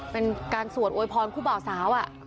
เป็นการสวดอวยพรคู่บ่าวสาว